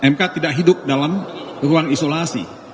mk tidak hidup dalam ruang isolasi